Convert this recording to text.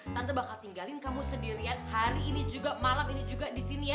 tante bakal tinggalin kamu sendirian hari ini juga malam ini juga di sini ya